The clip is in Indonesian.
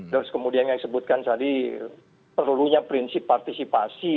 terus kemudian yang disebutkan tadi perlunya prinsip partisipasi